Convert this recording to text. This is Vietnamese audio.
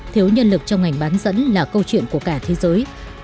thiếu nhân lực trong ngành bán dẫn là câu chuyện của cả thế giới